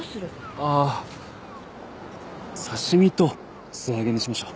ああ刺し身と素揚げにしましょう。